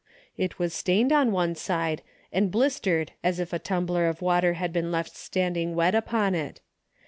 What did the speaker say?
It was stained on one side and blistered as if a tumbler of water had been left stand ing wet upon it.